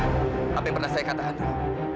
apa yang pernah saya katakan tadi